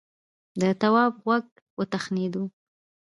د تواب غوږ وتخڼېد.